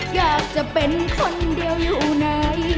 อยากจะเป็นคนเดียวอยู่ไหน